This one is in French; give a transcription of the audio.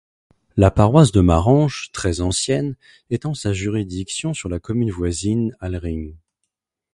La paroisse de Marange, très ancienne, étant sa juridiction sur la commune voisine, Hallering.